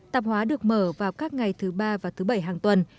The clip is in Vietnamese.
tạp hóa được mở vào các ngày thứ ba và thứ bảy hàng tuần